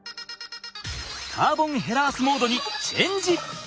カーボン・へラース・モードにチェンジ！